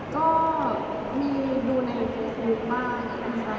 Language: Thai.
ที่มีความรู้สึกกว่าที่มีความรู้สึกกว่า